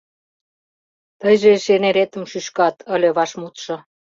— Тыйже эше неретым шӱшкат! — ыле вашмутшо.